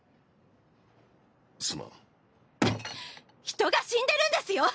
人が死んでるんですよ！